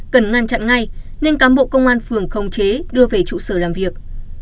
cần ngăn chặn ngay nên cám bộ công an phường khống chế đưa về trụ sở làm việc